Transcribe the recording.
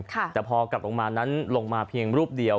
แต่พอกลับลงมานั้นลงมาเพียงรูปเดียว